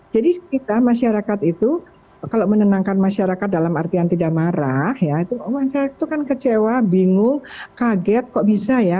jadi kita masyarakat itu kalau menenangkan masyarakat dalam artian tidak marah ya itu kan kecewa bingung kaget kok bisa ya